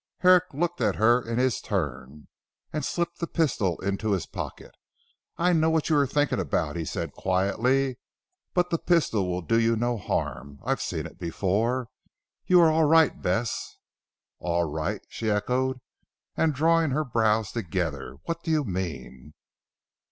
Herrick looked at her in his turn, and slipped the pistol into his pocket. "I know what you are thinking about," he said quietly, "but the pistol will do you no harm. I have seen it before. You are all right Bess." "All right!" she echoed and drawing her brows together. "What do you mean?"